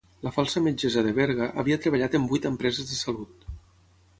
la falsa metgessa de Berga havia treballat en vuit empreses de salut